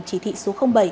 chỉ thị số bảy